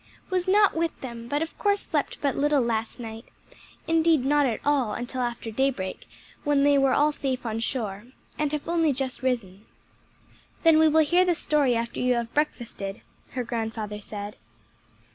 "Was not with them, but of course slept but little last night indeed not at all until after daybreak, when they were all safe on shore and have only just risen." "Then we will hear the story after you have breakfasted," her grandfather said.